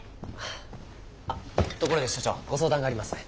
あっところで所長ご相談があります。